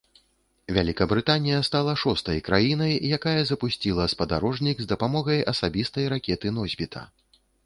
Вялікабрытанія стала шостай краінай, якая запусціла спадарожнік з дапамогай асабістай ракеты-носьбіта.